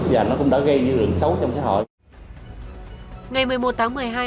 và nó cũng đã gây những lượng xấu trong xã hội